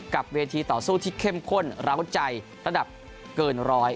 กับเวทีต่อสู้ที่เข้มข้นร้าวใจระดับเกินร้อย